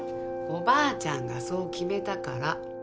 おばあちゃんがそう決めたから。